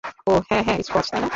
অহ, হ্যাঁ, হ্যাঁ - স্কচ, তাই না?